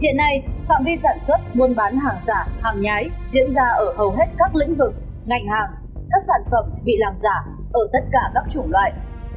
hiện nay phạm vi sản xuất muôn bán hàng giả hàng nhái diễn ra ở hầu hết các lĩnh vực ngành hàng các sản phẩm bị làm giả ở tất cả các chủng loại